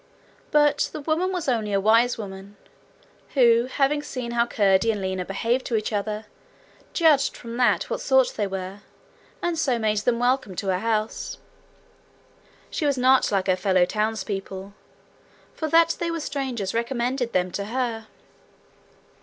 But the woman was only a wise woman, who, having seen how Curdie and Lina behaved to each other, judged from that what sort they were, and so made them welcome to her house. She was not like her fellow townspeople, for that they were strangers recommended them to her.